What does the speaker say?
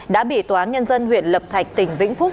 đã bị tòa án nhân dân huyện lập thạch tỉnh vĩnh phúc